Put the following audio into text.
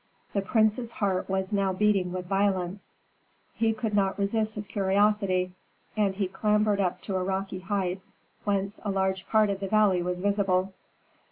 The prince's heart was now beating with violence; he could not resist his curiosity, and he clambered up to a rocky height whence a large part of the valley was visible.